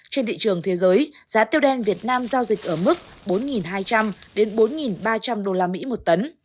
trên thị trường thế giới giá tiêu đen việt nam giao dịch ở mức bốn hai trăm linh đến bốn ba trăm linh đô la mỹ một tấn